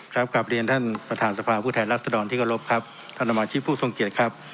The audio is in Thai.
ครับกราบเรียนท่านประธานสภาพภูมิไทยรัสดรที่กระลบครับท่านนามอาชีพผู้ทรงเกียจครับ